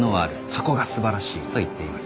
「そこが素晴らしい」と言っています。